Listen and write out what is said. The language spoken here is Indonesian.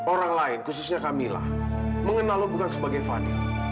orang lain khususnya camilla mengenal lo bukan sebagai van